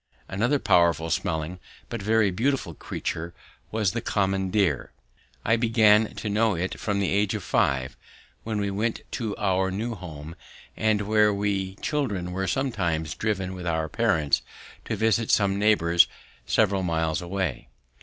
Another powerful smelling but very beautiful creature was the common deer. I began to know it from the age of five, when we went to our new home, and where we children were sometimes driven with our parents to visit some neighbours several miles away.